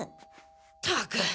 ったく。